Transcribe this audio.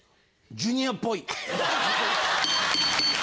ジュニアっぽい？